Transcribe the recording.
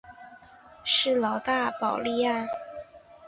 是老大保加利亚建国者一家的氏族。